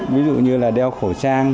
ví dụ như là đeo khẩu trang